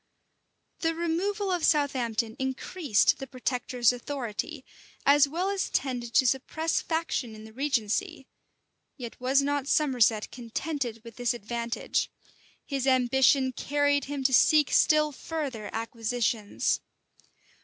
979 The removal of Southampton increased the protectors' authority, as well as tended to suppress faction in the regency yet was not Somerset contented with this advantage; his ambition carried him to seek still further acquisitions.